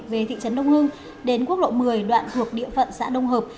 về thị trấn đông hưng đến quốc lộ một mươi đoạn thuộc địa phận xã đông hợp